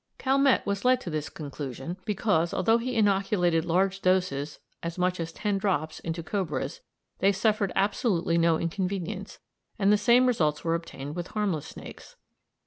Calmette was led to this conclusion because, although he inoculated large doses, as much as ten drops, into cobras, they suffered absolutely no inconvenience, and the same results were obtained with harmless snakes.